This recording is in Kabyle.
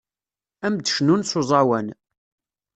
Ad am-d-cnun s uẓawan.